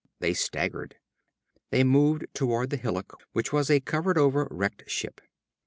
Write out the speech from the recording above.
They staggered. They moved toward the hillock which was a covered over wrecked ship.